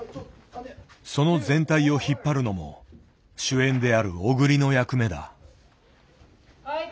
その全体を引っ張るのも主演である小栗の役目だ。